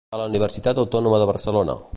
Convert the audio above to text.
A la Universitat Autònoma de Barcelona.